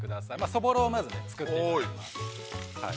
そぼろをまず作っていきます。